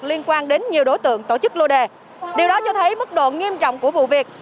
liên quan đến nhiều đối tượng tổ chức lô đề điều đó cho thấy mức độ nghiêm trọng của vụ việc